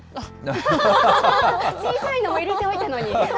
小さいのも入れておいたのに。